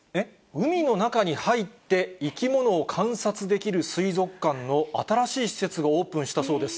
海の中に入って、生き物を観察できる水族館の新しい施設がオープンしたそうです。